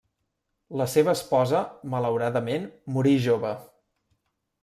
La seva esposa, malauradament, morí jove.